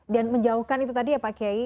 dan menjauhkan itu tadi ya pak kiai